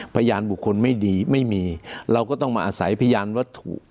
พยานบุคคลไม่ดีไม่มีเราก็ต้องมาอาศัยพยานวัตถุ